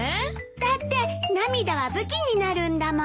だって涙は武器になるんだもん。